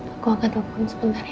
aku akan tukun sebentar ya